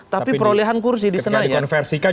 tapi perolehan kursi di senayan